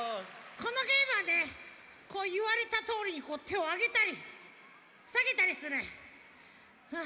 このゲームはねこういわれたとおりにてをあげたりさげたりするはあ。